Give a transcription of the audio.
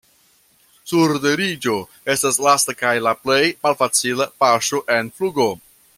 Surteriĝo estas lasta kaj la plej malfacila paŝo en flugo.